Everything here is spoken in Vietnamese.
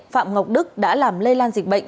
phạm ngọc đức đã làm lây lan dịch bệnh